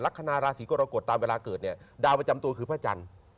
ลักษณะราศีกรกฎตามเวลาเกิดเนี่ยดาวประจำตัวคือพระจันทร์